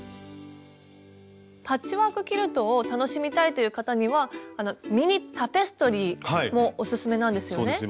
パッチワークキルトを楽しみたいという方にはミニタペストリーもオススメなんですよね。